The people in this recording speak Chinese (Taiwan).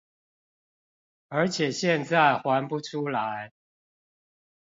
而且現在還不出來